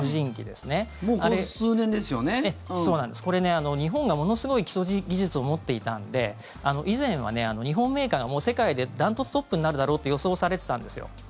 これ、日本がものすごい基礎技術を持っていたんで以前は、日本メーカーが世界で断トツトップになるだろうと予想されていたんですよ。